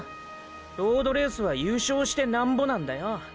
ロードレースは優勝してナンボなんだよ。